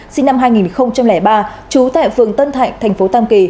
sinh năm hai nghìn ba trú tại phường tân thạnh thành phố tam kỳ